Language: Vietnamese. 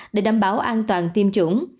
để đảm bảo an toàn tiêm chủng